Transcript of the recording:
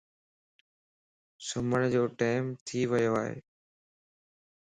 سمھڻ جو ٽيم ٿي ويو ائي